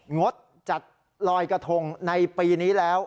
งดจัดลอยกระทงในปีนี้แล้ว